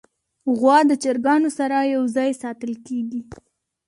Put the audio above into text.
غوا د چرګانو سره یو ځای ساتل کېږي.